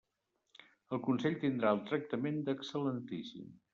El Consell tindrà el tractament d'excel·lentíssim.